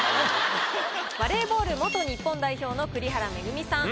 バレーボール元日本代表の栗原恵さん。